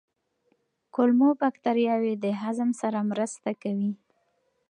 کولمو بکتریاوې د هضم سره مرسته کوي.